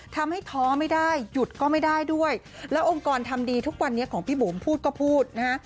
ท้อไม่ได้หยุดก็ไม่ได้ด้วยแล้วองค์กรทำดีทุกวันนี้ของพี่บุ๋มพูดก็พูดนะฮะ